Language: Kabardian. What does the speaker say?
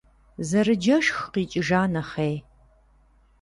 Зэрыджэшх къикӏыжа нэхъей.